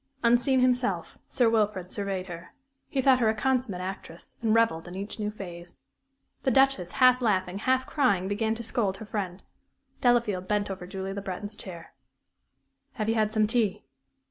Unseen himself, Sir Wilfrid surveyed her. He thought her a consummate actress, and revelled in each new phase. The Duchess, half laughing, half crying, began to scold her friend. Delafield bent over Julie Le Breton's chair. "Have you had some tea?"